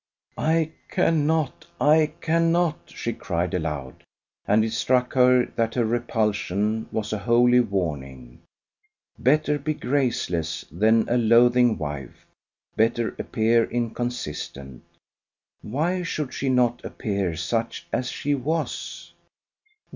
"I cannot! I cannot!" she cried, aloud; and it struck her that her repulsion was a holy warning. Better be graceless than a loathing wife: better appear inconsistent. Why should she not appear such as she was?